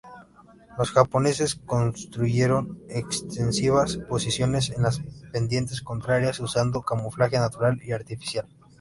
Los japoneses construyeron extensivas posiciones en las pendientes contrarias usando camuflaje natural y artificial.